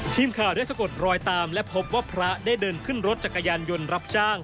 ทีมข่าวได้สะกดรอยตามและพบว่าพระได้เดินขึ้นรถจักรยานยนต์รับจ้าง